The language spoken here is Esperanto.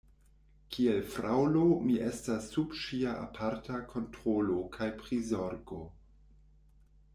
Kiel fraŭlo, mi estas sub ŝia aparta kontrolo kaj prizorgo.